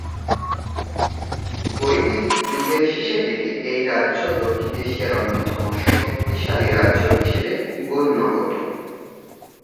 বৈদিক যুগের শেষের দিকে এই রাজ্য দক্ষিণ এশিয়ার অন্যতম শক্তিশালী রাজ্য হিসেবে গণ্য হত।